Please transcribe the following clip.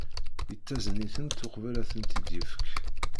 Yettazen-iten uqbel ad ten-id-yefk.